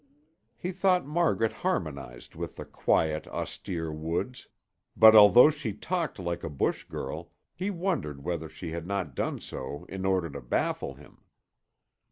He thought Margaret harmonized with the quiet, austere woods, but although she talked like a bush girl, he wondered whether she had not done so in order to baffle him.